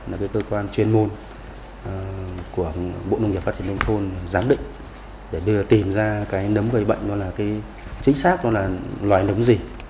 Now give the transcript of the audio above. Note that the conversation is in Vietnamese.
là cơ quan chuyên môn của bộ nông nghiệp phát triển đông thôn giám định để tìm ra nấm gây bệnh chính xác là loài nấm gì